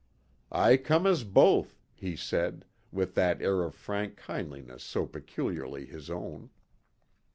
"I come as both," he said, with that air of frank kindliness so peculiarly his own.